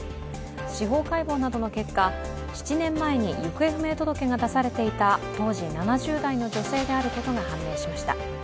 司法解剖などの結果、７年前に行方不明届けが出されていた当時７０代の女性であることが判明しました。